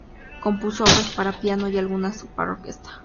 Compuso obras para piano y algunas para orquesta.